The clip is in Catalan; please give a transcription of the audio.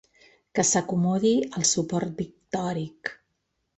Que s’acomodi al suport pictòric.